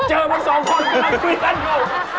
เจอมัน๒คนก็มาคุยกันอยู่